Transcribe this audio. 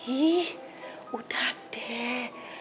ih udah deh